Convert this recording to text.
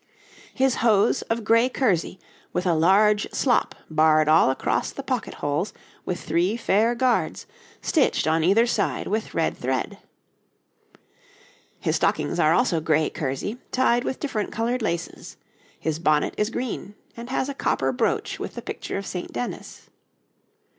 His hose of gray kersey, with a large slop barred all across the pocket holes with three fair guards, stitched on either side with red thread.' His stockings are also gray kersey, tied with different coloured laces; his bonnet is green, and has a copper brooch with the picture of St. Dennis.